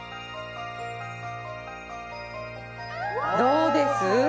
どうです？